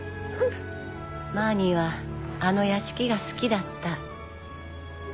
マーニーはあの屋敷が好きだった。